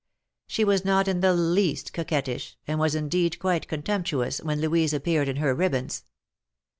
She was not in the least coquettish, and was indeed quite contemptuous, when Louise ap peared in her ribbons.